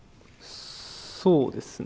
そうですね。